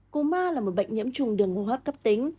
cô ma là một bệnh nhiễm trùng đường ngu hấp cấp tính